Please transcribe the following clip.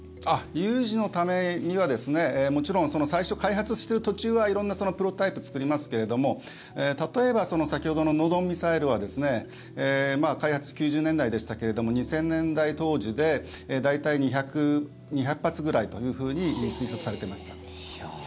有事のためにはもちろん、最初開発してる途中は色んなプロトタイプ作りますけれども例えば、先ほどのノドンミサイルは開発、９０年代でしたけれども２０００年代当時で大体、２００発ぐらいと推測されていました。